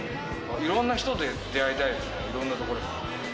いろんな人と出会いたいですね、いろんな所で。